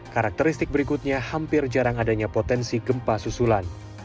karakteristik berikutnya hampir jarang adanya potensi gempa susulan